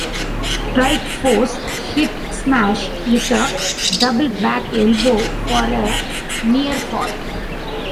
Strike Force hit Smash with a double back elbow for a near-fall.